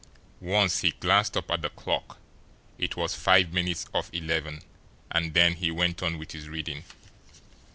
Once he glanced up at the clock it was five minutes of eleven and then he went on with his reading.